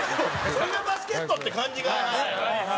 それがバスケットって感じがするじゃない。